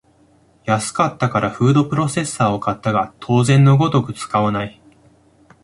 安かったからフードプロセッサーを買ったが当然のごとく使わない